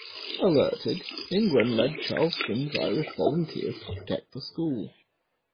' Alerted, England led Charleston's Irish Volunteers to protect the school.